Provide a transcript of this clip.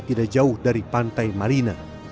tidak jauh dari pantai marina